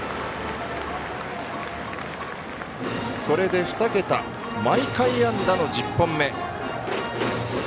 これで２桁毎回安打の１０本目。